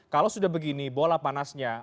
kalau sudah begini bola panasnya